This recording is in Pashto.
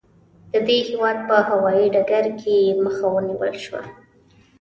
د دې هېواد په هوايي ډګر کې یې مخه ونیول شوه.